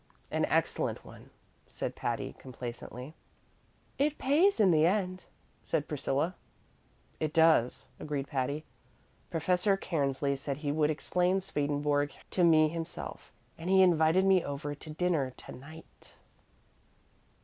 "An excellent one," said Patty, complacently. "It pays in the end," said Priscilla. "It does," agreed Patty. "Professor Cairnsley said he would explain Swedenborg to me himself, and he invited me over to dinner to night!"